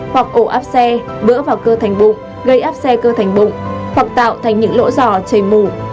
hoặc cổ áp xe vỡ vào cơ thành bụng gây áp xe cơ thành bụng hoặc tạo thành những lỗ giò chây mủ